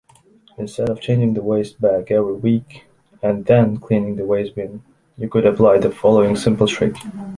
Instead of changing the waste bag every week and then cleaning the waste bin, you could apply the following simple trick.